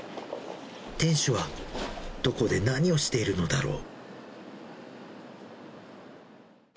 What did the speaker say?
店主は、どこで何をしているのだろう。